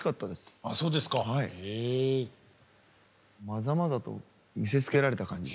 まざまざと見せつけられた感じ。